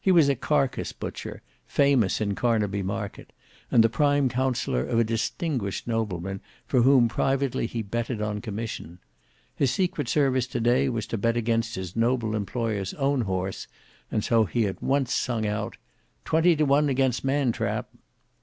He was a carcase butcher, famous in Carnaby market, and the prime councillor of a distinguished nobleman for whom privately he betted on commission. His secret service to day was to bet against his noble employer's own horse, and so he at once sung out, "Twenty to one against Man trap."